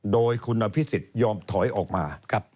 โดยคุณอภิษฎยอมถอยออกมา